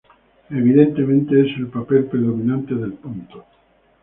Evidentemente, es el papel predominante del punto.